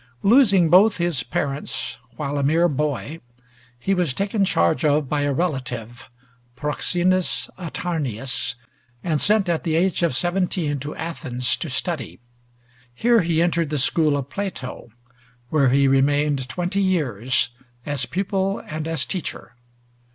Losing both his parents while a mere boy, he was taken charge of by a relative, Proxenus Atarneus, and sent, at the age of seventeen, to Athens to study. Here he entered the school of Plato, where he remained twenty years, as pupil and as teacher.